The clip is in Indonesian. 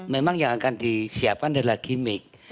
memang yang akan disiapkan adalah gimmick